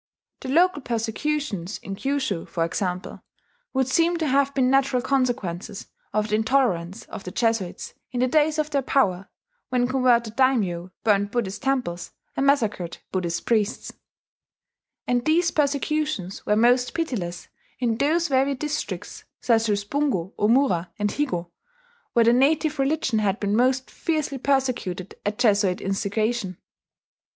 The local persecutions in Kyushu, for example, would seem to have been natural consequences of the intolerance of the Jesuits in the days of their power, when converted daimyo burned Buddhist temples and massacred Buddhist priests; and these persecutions were most pitiless in those very districts such as Bungo, Omura, and Higo where the native religion had been most fiercely persecuted at Jesuit instigation.